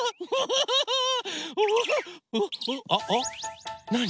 あっなに？